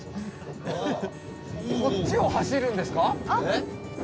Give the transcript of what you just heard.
こっちを走るんですか？